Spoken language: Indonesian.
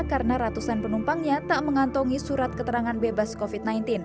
karena ratusan penumpangnya tak mengantongi surat keterangan bebas covid sembilan belas